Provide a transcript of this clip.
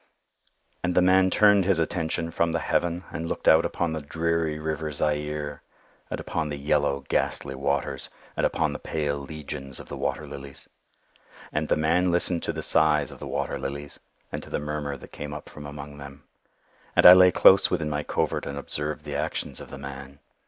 "And the man turned his attention from the heaven, and looked out upon the dreary river Zaire, and upon the yellow ghastly waters, and upon the pale legions of the water lilies. And the man listened to the sighs of the water lilies, and to the murmur that came up from among them. And I lay close within my covert and observed the actions of the man.